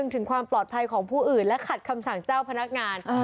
ถึงความปลอดภัยของผู้อื่นและขัดคำสั่งเจ้าพนักงาน